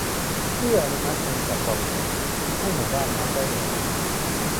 เพื่ออนุมัติเงินจากกองทุนให้หมู่บ้านนั้นได้เลย